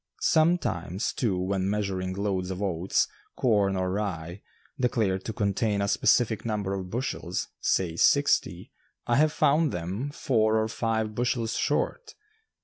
Sometimes, too, when measuring loads of oats, corn or rye, declared to contain a specified number of bushels, say sixty, I have found them four or five bushels short.